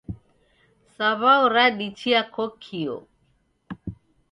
Saw'au radichia kokio